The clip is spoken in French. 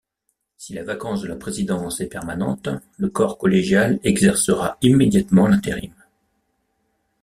Si la vacance de la présidence est permanente, le corps collégial exercera immédiatement l'intérim.